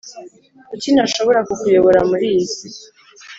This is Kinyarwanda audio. kuki ntashobora kukuyobora muri iyi si?